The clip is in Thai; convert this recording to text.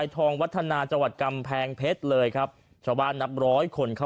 อยากฟังเชิญค่ะ